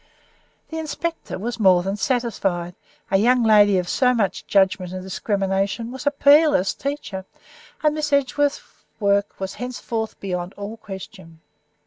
The inspector was more than satisfied; a young lady of so much judgment and discrimination was a peerless teacher, and Miss Edgeworth's work was henceforward beyond all question.